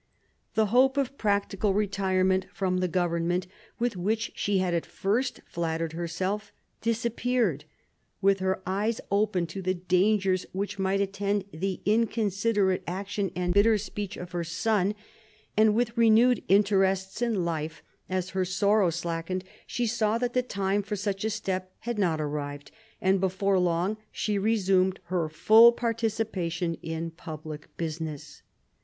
The hope of practical retirement from the government, with which she had at first flattered herself, disappeared. With her eyes open to the dangers which might attend the inconsiderate action and bitter speech of her son, 1765 70 DOMESTIC AFFAIRS 209 and with renewed interests in life as her sorrow slackened, she saw that the time for such a step had not arrived, and before long she resumed her full participation in public business.